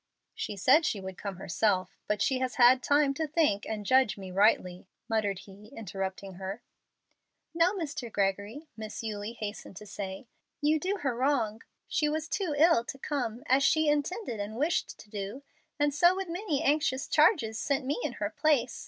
"She said she would come herself, but she has had time to think and judge me rightly," muttered he, interrupting her. "No, Mr. Gregory," Miss Eulie hastened to say; "you do her wrong. She was too ill to come, as she intended and wished to do, and so with many anxious charges sent me in her place.